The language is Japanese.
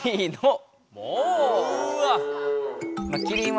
うわ。